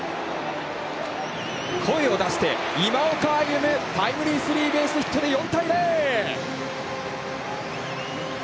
声を出して、今岡歩夢、タイムリースリーベースヒットで４対０！